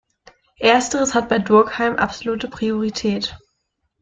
Ersteres hat bei Durkheim absolute Priorität.